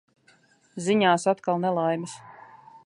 Ziņās atkal nelaimes.